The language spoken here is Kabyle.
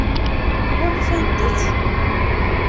Ɣunfant-tt?